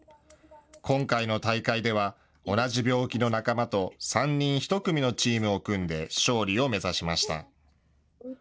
今回の大会では同じ病気の仲間と３人１組のチームを組んで、勝利を目指しました。